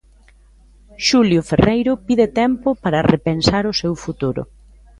Xulio Ferreiro pide tempo para repensar o seu futuro.